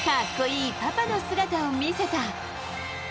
かっこいいパパの姿を見せた。